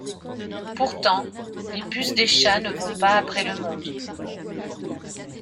Pourtant les puces des chats ne vont pas après le monde.